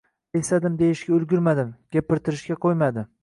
Esladim deyishga ulgurmadim, gapirtirishga qoʻymadi.